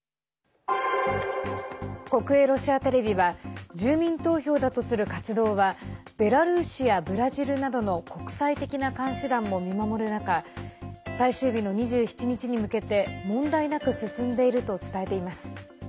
国営ロシアテレビは住民投票だとする活動はベラルーシやブラジルなどの国際的な監視団も見守る中最終日の２７日に向けて問題なく進んでいると伝えています。